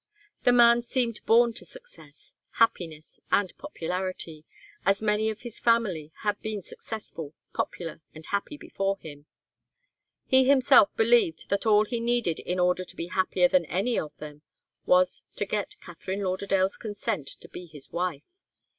The man seemed born to success, happiness and popularity, as many of his family had been successful, popular and happy before him. He himself believed that all he needed in order to be happier than any of them was to get Katharine Lauderdale's consent to be his wife.